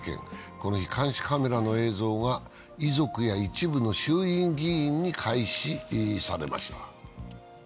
この日、監視カメラの映像が遺族や一部の衆議院議員に開示されました。